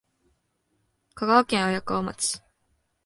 香川県綾川町